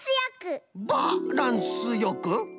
ランスよく！